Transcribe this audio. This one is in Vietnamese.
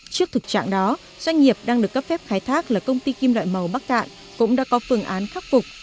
trước thực trạng đó doanh nghiệp đang được cấp phép khai thác là công ty kim loại màu bắc cạn cũng đã có phương án khắc phục